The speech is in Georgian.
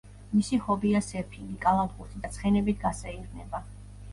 მისი ჰობია სერფინგი, კალათბურთი და ცხენებით გასეირნება.